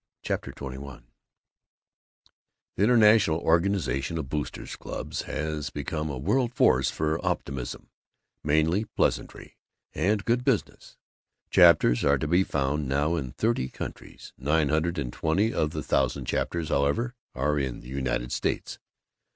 CHAPTER XXI The International Organization of Boosters' Clubs has become a world force for optimism, manly pleasantry, and good business. Chapters are to be found now in thirty countries. Nine hundred and twenty of the thousand chapters, however, are in the United States.